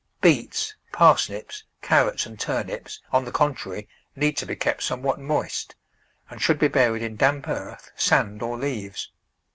Beets, parsnips, carrots, and turnips, on the con trary, need to be kept somewhat moist, and should be buried in damp earth, sand, or leaves.